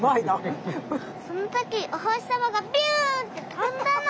そのときお星さまがビューって飛んだの。